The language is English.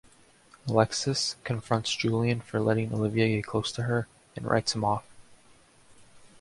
Alexis confronts Julian for letting Olivia get close to her, and writes him off.